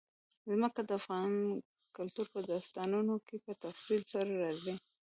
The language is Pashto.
ځمکه د افغان کلتور په داستانونو کې په تفصیل سره راځي.